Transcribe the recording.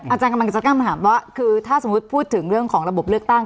อาจารย์กำลังจะตั้งคำถามว่าคือถ้าสมมุติพูดถึงเรื่องของระบบเลือกตั้ง